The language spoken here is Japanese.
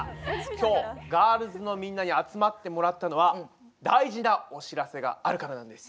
今日ガールズのみんなに集まってもらったのは大事なお知らせがあるからなんです！